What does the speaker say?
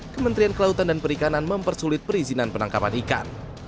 kementerian kelautan dan perikanan mempersulit perizinan penangkapan ikan